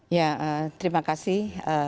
ya terima kasih